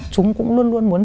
chúng cũng luôn luôn muốn